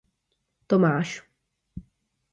Tomáš.